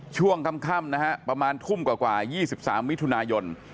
ช่วงค่ำนะฮะประมาณทุ่มกว่า๒๓มิถุนายน